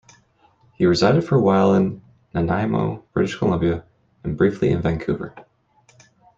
He resided for a while in Nanaimo, British Columbia, and briefly in Vancouver.